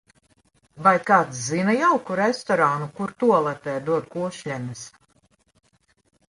Vai kāds zina jauku restorānu kur, tualetē dod košļenes?